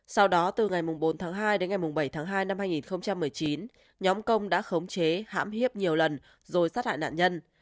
sau đó từ ngày bốn tháng hai đến ngày bảy tháng hai năm hai nghìn một mươi chín nhóm công đã khống chế hãm hiếp nhiều lần rồi sát hại nạn nhân